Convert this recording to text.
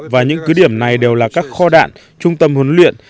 và những cứ điểm này đều là các kho đạn trung tâm huấn luyện